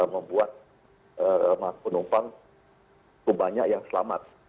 membuat penumpang banyak yang selamat